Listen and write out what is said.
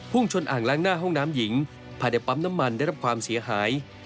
ชนอ่างล้างหน้าห้องน้ำหญิงภายในปั๊มน้ำมันได้รับความเสียหาย